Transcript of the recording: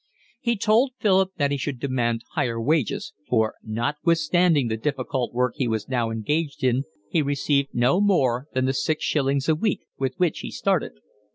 He told Philip that he should demand higher wages, for notwithstanding the difficult work he was now engaged in, he received no more than the six shillings a week with which he started.